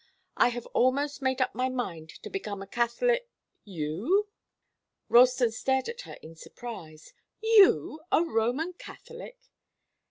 I have almost made up my mind to become a Catholic " "You?" Ralston stared at her in surprise. "You a Roman Catholic?"